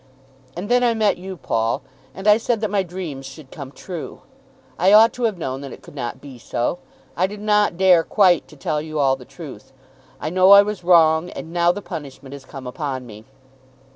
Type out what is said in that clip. And then I met you, Paul, and I said that my dreams should come true. I ought to have known that it could not be so. I did not dare quite to tell you all the truth. I know I was wrong, and now the punishment has come upon me.